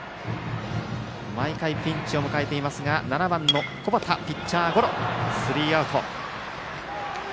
毎回ピンチを迎えていますが７番の小畑、ピッチャーゴロでスリーアウト。